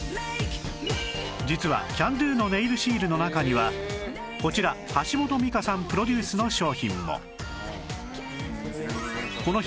実はキャンドゥのネイルシールの中にはこちら橋本実花さんプロデュースの商品も